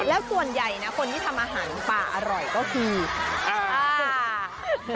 แล้วส่วนใหญ่นะคนที่ทำอาหารป่าอร่อยก็คือ